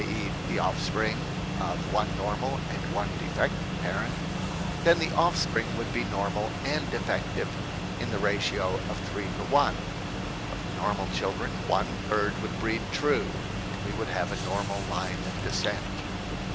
e. the offspring of one normal and one defective parent, then the offspring would be normal and defective in the ratio of three to one. Of the normal children, one third would breed true and we would have a normal line of descent.